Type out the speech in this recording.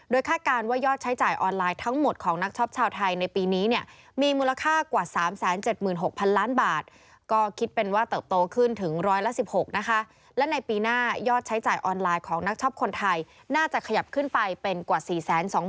โดยคาดการณ์ว่ายอดใช้จ่ายออนไลน์ทั้งหมดของนักชอบชาวไทยในปีนี้